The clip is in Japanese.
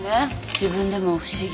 自分でも不思議。